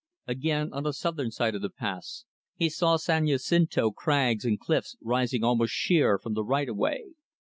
Again, on the southern side of the pass, he saw San Jacinto's crags and cliffs rising almost sheer from the right of way.